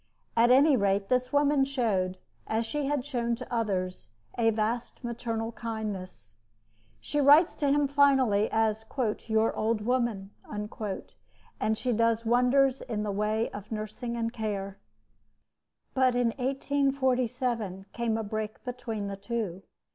At any rate, this woman showed, as she had shown to others, a vast maternal kindness. She writes to him finally as "your old woman," and she does wonders in the way of nursing and care. But in 1847 came a break between the two.